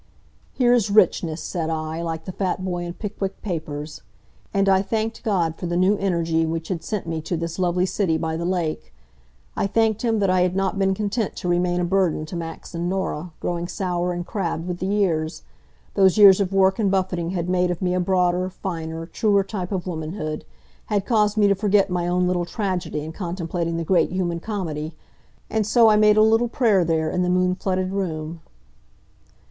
"Here's richness," said I, like the fat boy in Pickwick Papers. And I thanked God for the new energy which had sent me to this lovely city by the lake. I thanked Him that I had not been content to remain a burden to Max and Norah, growing sour and crabbed with the years. Those years of work and buffeting had made of me a broader, finer, truer type of womanhood had caused me to forget my own little tragedy in contemplating the great human comedy. And so I made a little prayer there in the moon flooded room.